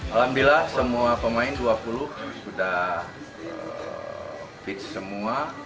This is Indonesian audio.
alhamdulillah semua pemain dua puluh sudah fit semua